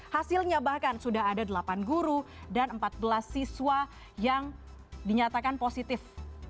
hasilnya bahkan sudah ada delapan guru dan empat belas siswa yang dinyatakan positif